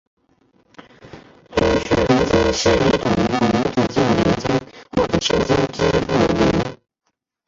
永续年金是一种永无止境的年金或者现金支付流。